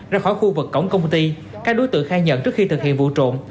ra khỏi khu vực cổng công ty các đối tượng khai nhận trước khi thực hiện vụ trộm